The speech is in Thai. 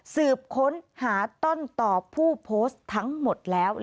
สืบค้นหาต้นต่อผู้โพสต์ทั้งหมดแล้ว